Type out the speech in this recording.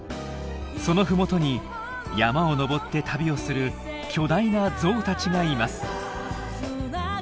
そのふもとに山を登って旅をする巨大なゾウたちがいます。